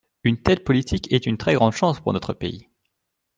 Une telle politique est une très grande chance pour notre pays.